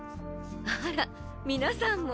あら皆さんも。